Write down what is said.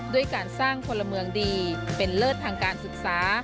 ด้วยการสร้างพลเมืองดีเป็นเลิศทางการศึกษา